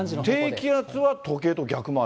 低気圧は時計と逆回り？